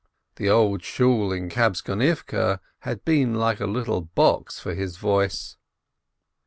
The Old Shool in Kabtzonivke had been like a little box for his voice.